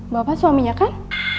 bapak suaminya kan